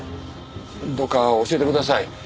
どうか教えてください。